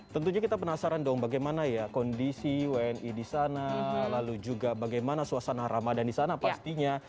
tentunya kita penasaran dong bagaimana ya kondisi wni di sana lalu juga bagaimana suasana ramadan di sana pastinya